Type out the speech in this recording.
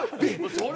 それ。